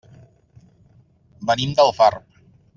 Venim d'Alfarb.